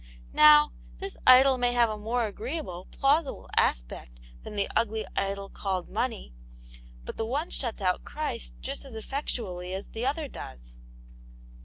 Now, this idol may have a more agreeable, plausible aspect than the ugly idol called money ; but the one shuts out Christ just as effectually as the other does."